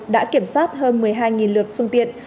đã kiểm soát hơn một mươi hai lượt phương tiện